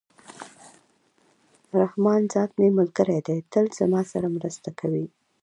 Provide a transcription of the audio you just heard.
رحمان ذات مي ملګری دئ! تل زما سره مرسته کوي.